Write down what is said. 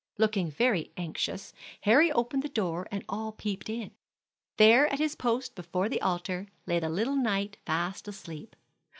Looking very anxious, Harry opened the door and all peeped in. There, at his post before the altar, lay the little knight fast asleep.